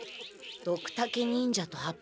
ドクタケ忍者と八方斎。